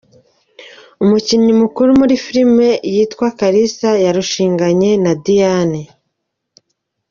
umukinnyi mukuru muri Filimi Yitwa Kaliza yarushinganye na Diyane